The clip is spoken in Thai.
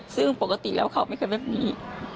ซึ่งปกติแล้วเขาไม่เคยแบบนี้